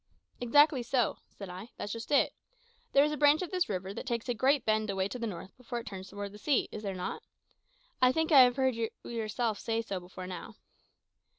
"Exactly so," said I; "that's just it. There is a branch of this river that takes a great bend away to the north before it turns towards the sea, is there not? I think I have heard yourself say so before now."